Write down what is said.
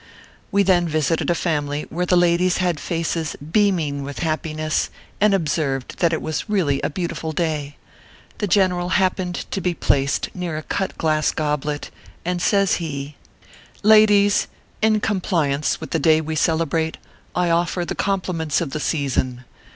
We then visited a family where the ladies had faces beaming with happiness, and observed that it was really a beautiful day. The general happened to be placed near a cut glass goblet, and says he : "Ladies, ORPHEUS C. KERR PAPERS. 169 in compliance with the day we celebrate, I offer the compliments of the season.